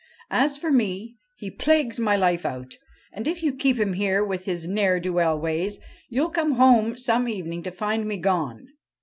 As for me, he plagues my life out, and, if you keep him here with his ne'er do well ways, you '11 come home some evening to find me gone.'